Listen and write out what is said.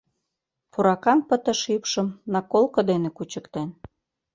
Пуракаҥ пытыше ӱпшым наколко дене кучыктен.